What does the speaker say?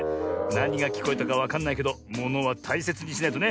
なにがきこえたかわかんないけどものはたいせつにしないとね。